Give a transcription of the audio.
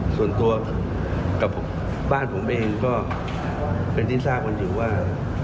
ส่วนตัวกับบ้านผมเองก็เป็นที่ทราบกันอยู่ว่า